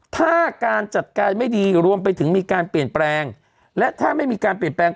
ถ้าการจัดการไม่ดีรวมไปถึงมีการเปลี่ยนแปลงและถ้าไม่มีการเปลี่ยนแปลง